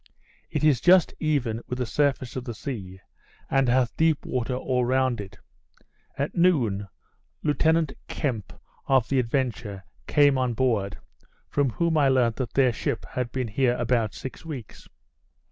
It is just even with the surface of the sea, and hath deep water all round it. At noon, Lieutenant Kemp of the Adventure came on board; from whom I learnt that their ship had been here about six weeks.